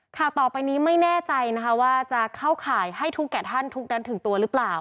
ข่าวต่อไปนี้ไม่แน่ใจนะคะว่าจะเข้าข่ายให้ทุกแก่ท่านทุกนั้นถึงตัวหรือเปล่า